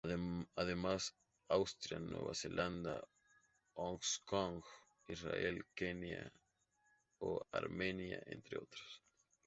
Además de Australia, Nueva Zelanda, Hong Kong, Israel, Kenia o Armenia, entre otros.